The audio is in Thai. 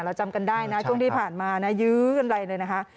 จำกันได้นะช่วงที่ผ่านมานะยื้อกันไปเลยนะคะ